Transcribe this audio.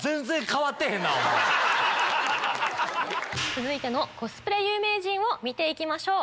続いてのコスプレ有名人を見て行きましょう。